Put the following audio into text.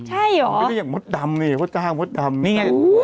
ใช่หรอไม่ได้อย่างมดดำนี่มดดำมดดำนี่